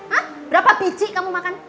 ah berapa biji kamu makan